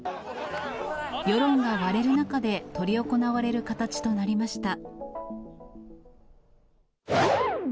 世論が割れる中で執り行われる形となりました。